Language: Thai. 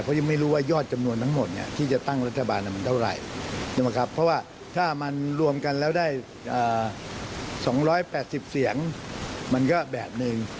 เพราะยังไม่รู้ว่ายอดจำนวนทั้งหมดเนี่ยที่จะตั้งรัฐบาลมันเท่าไหร่ใช่ไหมครับเพราะว่าถ้ามันรวมกันแล้วได้๒๘๐เสียงมันก็แบบหนึ่ง